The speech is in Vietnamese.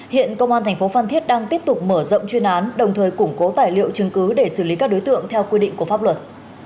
hiện công an thành phố phan thiết đang tiếp tục mở rộng chuyên án đồng thời củng cố tài liệu chứng cứ để xử lý các đối tượng theo quy định của pháp luật